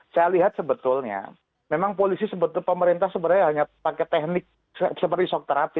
saya lihat sebetulnya memang polisi pemerintah sebenarnya hanya pakai teknik seperti sok terapi